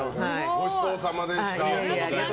ごちそうさまでした。